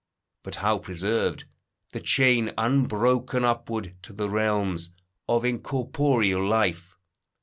But how preserved The chain unbroken upward, to the realms Of incorporeal life?